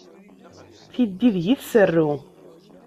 Tiddi deg-i tserru.